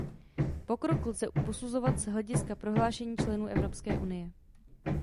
Pokrok lze posuzovat z hlediska prohlášení členů Evropské unie.